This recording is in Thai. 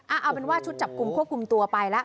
เอาเป็นว่าชุดจับกลุ่มควบคุมตัวไปแล้ว